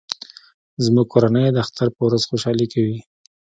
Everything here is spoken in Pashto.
زموږ کورنۍ د اختر په ورځ خوشحالي کوي